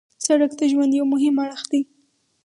سړک د ژوند یو مهم اړخ دی.